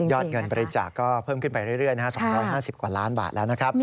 เงินบริจาคก็เพิ่มขึ้นไปเรื่อย๒๕๐กว่าล้านบาทแล้วนะครับ